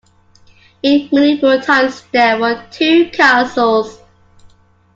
In medieval times there were two castles.